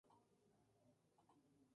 La fecha aún no confirmada es Halloween.